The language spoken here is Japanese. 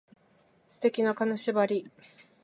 素敵な金縛り